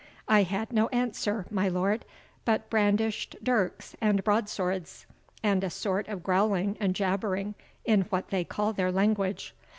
I had no answer, my lord, but brandished dirks and broadswords, and a sort of growling and jabbering in what they call their language.